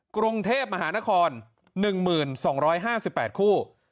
กรุงเทพมหานคร๑๒๕๘คู่